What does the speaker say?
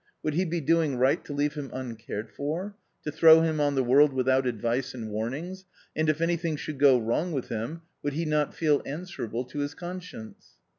would he be doing right to leave him uncared for, to throw him on the world without advice and warnings, and if anything should go wrong with him, jvguld he not feel answerable to his conscience